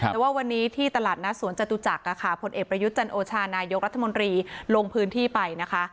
แต่ว่าวันนี้ที่ตลาดนัดสวนจตุจักรผลเอกประยุทธ์จันโอชานายกรัฐมนตรีลงพื้นที่ไปนะคะ